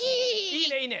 いいねいいね。